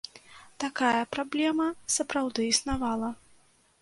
Такая праблема сапраўды існавала.